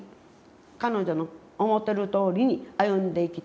彼女の思ってるとおりに歩んでいきたい。